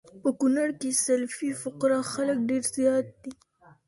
په کونړ کي سلفي فکره خلک ډير زيات دي